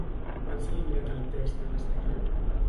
Quan s'ha eliminat el text en espanyol?